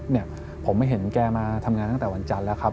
เนี่ยผมเห็นแกมาทำงานตั้งแต่วันจันทร์แล้วครับ